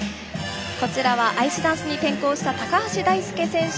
こちらは、アイスダンスに転向した高橋大輔選手